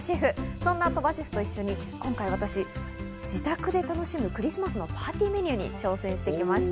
そんな鳥羽シェフと一緒に今回、私、自宅で楽しむクリスマスのパーティーメニューに挑戦してきました。